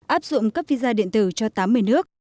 áp dụng cấp visa điện tử cho tám mươi nước